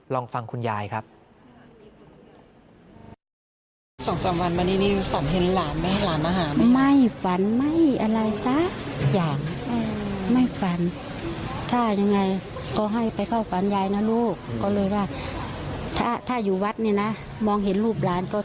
ลองฟังคุณยายครับ